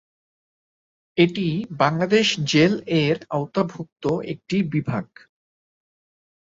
এটি বাংলাদেশ জেল-এর আওতাভুক্ত একটি বিভাগ।